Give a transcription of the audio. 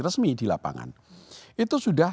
resmi di lapangan itu sudah